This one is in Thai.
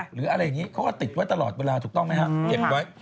หรืออะไรอย่างนี้เขาก็ติดไว้ตลอดเวลาเก็บไว้